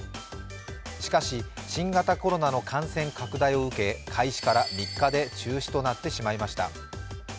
しかし、新型コロナの感染拡大を受け開始から３日で中止となってしまいました。